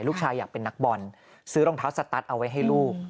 อยากเป็นนักบอลซื้อรองเท้าสตัสเอาไว้ให้ลูก